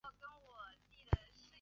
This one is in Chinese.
应该不会太难